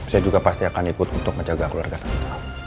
saya juga pasti akan ikut untuk menjaga keluarga kita